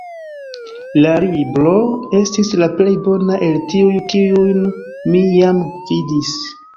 La libro estis la plej bona el tiuj, kiujn mi jam vidis.